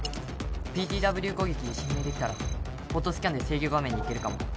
ＰＴＷ 攻撃で侵入できたらポートスキャンで制御画面にいけるかも